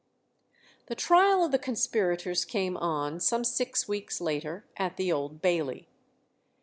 The trial of the conspirators came on some six weeks later, at the Old Bailey.